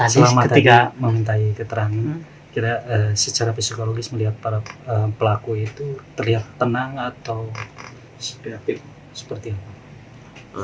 selama tega memintai keterangan secara psikologis melihat para pelaku itu terlihat tenang atau seperti apa